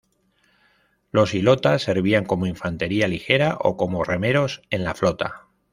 Los ilotas servían como infantería ligera o como remeros en la flota.